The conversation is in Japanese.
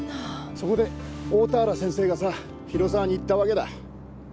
そこで大田原先生がさ広澤に言ったわけだ。